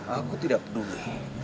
aku tidak peduli